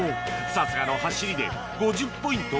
さすがの走りで５０ポイント